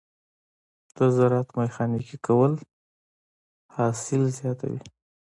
د زراعت ميخانیکي کول حاصل زیاتوي.